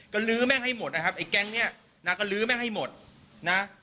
ก็ลื้อแม่งให้หมดนะครับไอ้แก๊งนี้นางก็ลื้อแม่ให้หมดนะ